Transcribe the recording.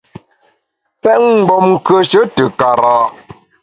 Pèt mgbom nkùeshe te kara’ !